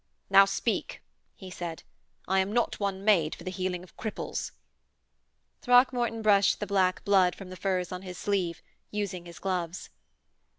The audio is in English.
'Now speak,' he said. 'I am not one made for the healing of cripples.' Throckmorton brushed the black blood from the furs on his sleeve, using his gloves.